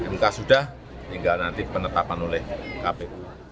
mk sudah tinggal nanti penetapan oleh kpu